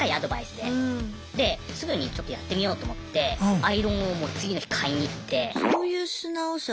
ですぐにちょっとやってみようと思ってアイロンをもう次の日買いに行って。